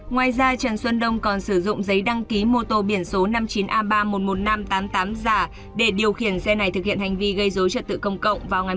ngoài ra trần xuân đông còn sử dụng giấy đăng ký mô tô biển số năm mươi chín a ba trăm một mươi một nghìn năm trăm tám mươi tám giả để điều khiển xe này thực hiện hành vi gây dối trật tự công cộng vào ngày một mươi sáu một mươi hai nghìn hai mươi ba